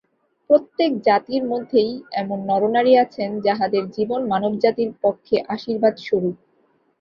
প্রত্যেক জাতির মধ্যেই এমন নরনারী আছেন, যাঁহাদের জীবন মানবজাতির পক্ষে আশীর্বাদস্বরূপ।